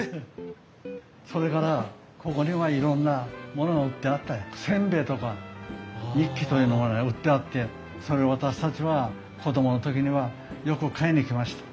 それからここにはいろんなものが売ってあって煎餅とかニッキというのがね売ってあってそれを私たちは子供の時にはよく買いに来ました。